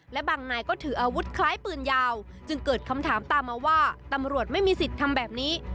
และบางนายก็ถืออาวุธคล้ายปืนยาวจึงเกิดคำถามตามมาว่าตำรวจไม่มีสิทธิ์ทำแบบนี้